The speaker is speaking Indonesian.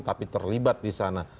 tapi terlibat di sana